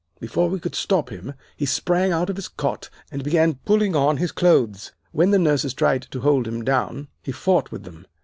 "Before we could stop him he sprang out of his cot and began pulling on his clothes. When the nurses tried to hold him down, he fought with them.